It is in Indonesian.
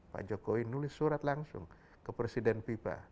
pak jokowi nulis surat langsung ke presiden fifa